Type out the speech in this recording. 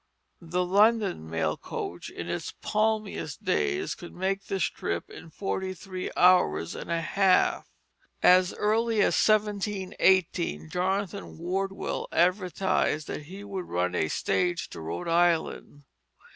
The London mail coach in its palmiest days could make this trip in forty three hours and a half. As early as 1718 Jonathan Wardwell advertised that he would run a stage to Rhode Island.